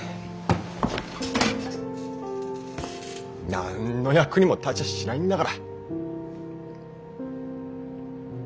なんの役にも立ちゃしないんだから。